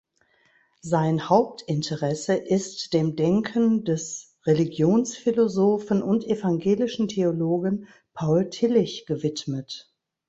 Sein Hauptinteresse ist dem Denken des Religionsphilosophen und evangelischen Theologen Paul Tillich gewidmet.